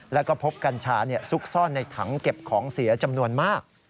แล้วก็พบกัญชาซุกซ่อนในถังเก็บของเสียจำนวนมาก